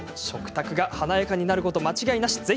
食卓が華やかになること間違いなし。